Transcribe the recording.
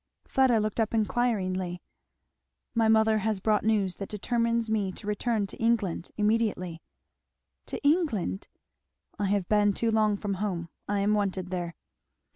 Fleda looked up inquiringly. "My mother has brought news that determines me to return to England immediately." "To England!" "I have been too long from home I am wanted there."